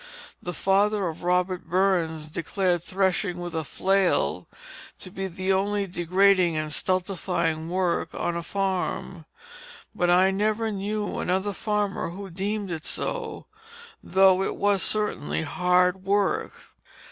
The father of Robert Burns declared threshing with a flail to be the only degrading and stultifying work on a farm; but I never knew another farmer who deemed it so, though it was certainly hard work.